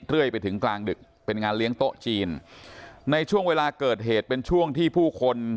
ไปถึงกลางดึกเป็นงานเลี้ยงโต๊ะจีนในช่วงเวลาเกิดเหตุเป็นช่วงที่ผู้คน